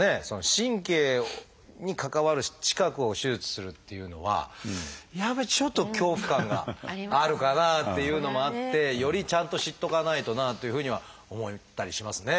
神経に関わる近くを手術するっていうのはやっぱりちょっと恐怖感があるかなっていうのもあってよりちゃんと知っとかないとなというふうには思ったりしますね。